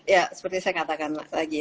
ya seperti saya katakan lagi ya